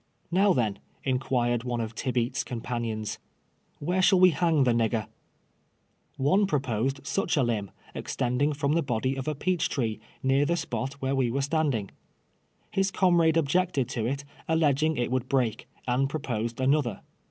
" Kow, then," inquired one of Tibeats' companions, " where shall we hang the nigger ?" One proposed such a limb, extending from the body of a peach tree, near the spot where we were stand ing. His comrade objected to it, alleging it would break, and proposed another.